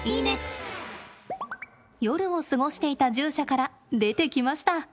夜を過ごしていた獣舎から出てきました。